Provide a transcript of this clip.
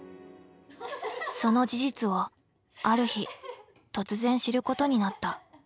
その事実をある日突然知ることになった。